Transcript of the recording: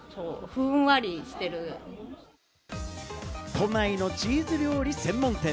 都内のチーズ料理専門店。